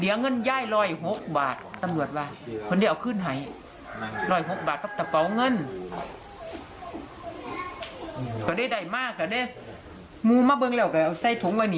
อย่างปิดใส่เหมือนเหร่อยนะครับ